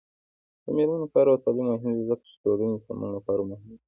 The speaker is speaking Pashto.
د میرمنو کار او تعلیم مهم دی ځکه چې ټولنې سمون لپاره مهم دی.